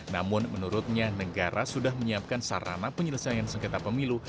namun menurutnya negara sudah menyiapkan sarana penyelesaian sengketa pemilu